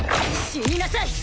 死になさい！